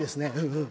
うん？